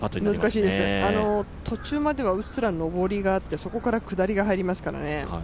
難しいです、途中まではうっすら上りがあって、そこから下りが入りますからね。